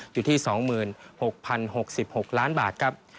อยู่ที่๒๖๐๖๖ล้านบาทครับ